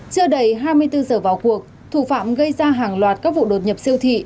chưa đầy hai mươi bốn giờ vào cuộc thủ phạm gây ra hàng loạt các vụ đột nhập siêu thị